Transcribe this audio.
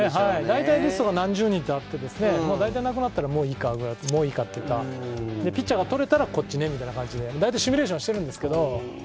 大体リストが何十人とあって何人かなくなったらもういいかっていうか、ピッチャーが取れたらこっちねって感じで大体シミュレーションしているんですけれども。